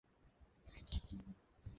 ওরা আপনার আদেশ মানবে না।